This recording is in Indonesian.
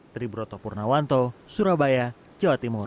triburoto purnawanto surabaya jawa timur